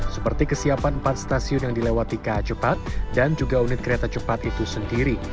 seperti kesiapan empat stasiun yang dilewati ka cepat dan juga unit kereta cepat itu sendiri